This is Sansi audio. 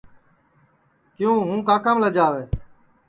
کیوں ہوں کاکام لجاوے